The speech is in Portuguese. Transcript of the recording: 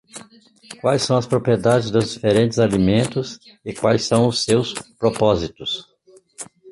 Quais são as propriedades dos diferentes alimentos e quais são seus propósitos?